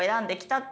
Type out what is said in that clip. って